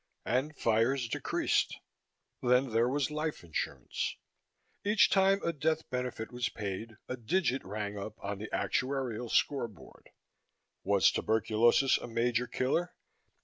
And fires decreased. Then there was life insurance. Each time a death benefit was paid, a digit rang up on the actuarial scoreboard. Was tuberculosis a major killer?